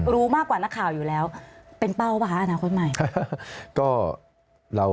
รู้มากกว่านักข่าวอยู่แล้วเป็นเป้าป่ะคะอนาคตใหม่